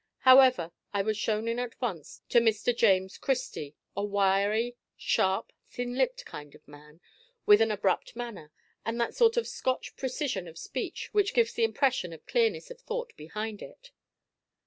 However, I was shown in at once to Mr. James Christie, a wiry, sharp, thin lipped kind of man, with an abrupt manner, and that sort of Scotch precision of speech which gives the impression of clearness of thought behind it.